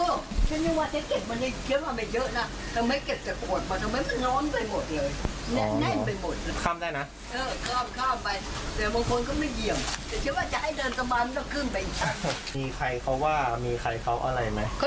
อื้อฉันไม่ว่าจะเก็บมานี่เก็บมาไม่เยอะน่ะ